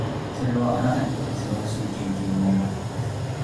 それは、あなたにとって素晴らしい経験になるはずです。